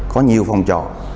có nhiều phòng trọ